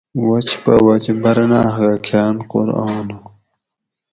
وچ پہ وچ برناحق کھاۤنت قرآنہ